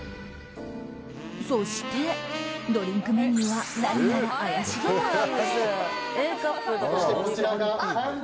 そしてドリンクメニューは何やら怪しげな名前。